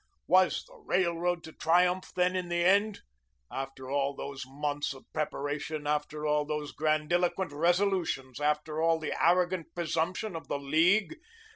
Was the Railroad to triumph then in the end? After all those months of preparation, after all those grandiloquent resolutions, after all the arrogant presumption of the League!